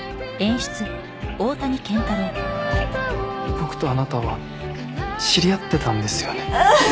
僕とあなたは知り合ってたんですよね？